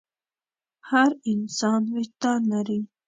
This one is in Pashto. هر انسان وجدان لري.